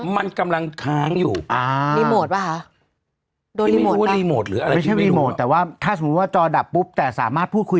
มันกำลังค้างอยู่อ่าวรีโมทก็ฮะรีโมทหรืออะไรก็ไม่รู้เลย